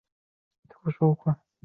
实德集团还涉足金融领域。